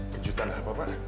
kejutan apa pak